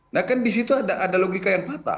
nah kan disitu ada logika yang patah